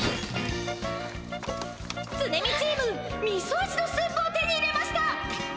ツネ美チームみそ味のスープを手に入れました！